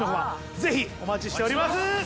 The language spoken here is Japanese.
ぜひお待ちしております。